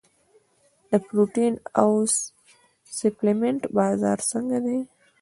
د پروټین او سپلیمنټ بازار څنګه دی؟